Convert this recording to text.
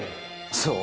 そう。